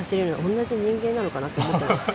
同じ人間なのかなと思います。